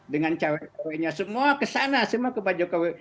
dengan cewek ceweknya semua kesana semua ke pak jokowi